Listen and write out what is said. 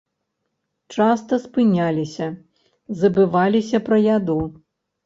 Часта спыняліся, забываліся пра яду.